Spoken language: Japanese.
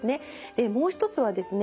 でもう一つはですね